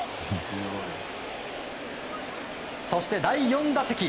そして第４打席。